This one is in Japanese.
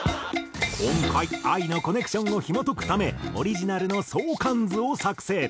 今回ＡＩのコネクションをひも解くためオリジナルの相関図を作成。